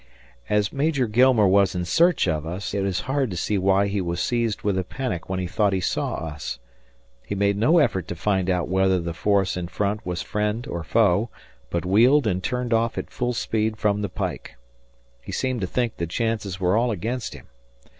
As Major Gilmer was in search of us, it is hard to see why he was seized with a panic when he thought he saw us. He made no effort to find out whether the force in front was friend or foe, but wheeled and turned off at full speed from the pike. He seemed to think the chances were all against him.